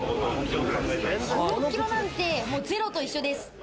５６キロなんて、０と一緒です。